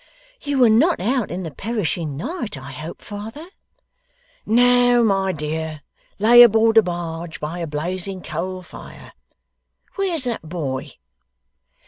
'You were not out in the perishing night, I hope, father?' 'No, my dear. Lay aboard a barge, by a blazing coal fire. Where's that boy?